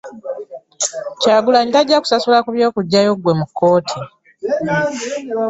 Kyagulanyi tajja kusasula ku by'okuggyayo gwe mu kkooti